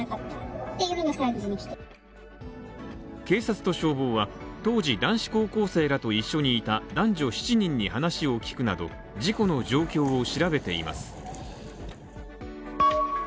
けいさつと消防は当時、男子高校生らと一緒にいた男女７人に話を聞くなど事故の状況を調べています。